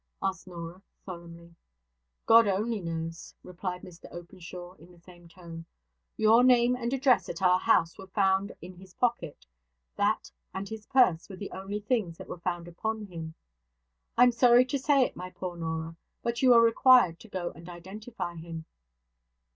asked Norah, solemnly. 'God only knows,' replied Mr Openshaw, in the same tone. 'Your name and address at our house were found in his pocket; that, and his purse, were the only things that were found upon him. I am sorry to say it, my poor Norah; but you are required to go and identify him.'